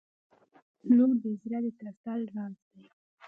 • لور د زړه د تسل راز دی.